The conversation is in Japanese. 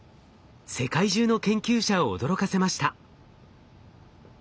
世界中の研究者を驚かせました。